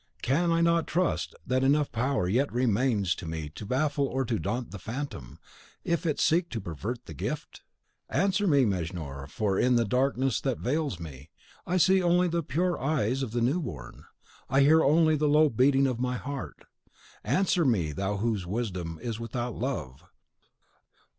Can I not trust that enough of power yet remains to me to baffle or to daunt the Phantom, if it seek to pervert the gift? Answer me, Mejnour, for in the darkness that veils me, I see only the pure eyes of the new born; I hear only the low beating of my heart. Answer me, thou whose wisdom is without love!